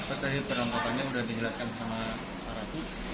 terus dari perlengkapannya sudah dijelaskan sama para aku